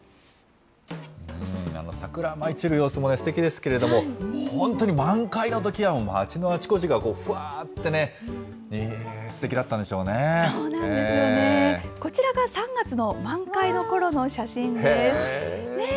桜舞い散る様子もすてきですけれども、本当に満開のときは町のあちこちがふわーってね、すてきだったんそうなんですよね。こちらが３月の満開のころの写真です。